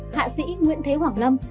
hạ sĩ nguyễn thế hoàng lâm